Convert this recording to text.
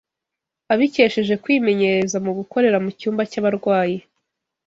abikesheje kwimenyerereza mu gukorera mu cyumba cy’abarwayi